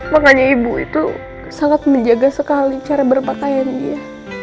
makanya ibu itu sangat menjaga sekali cara berpakaian dia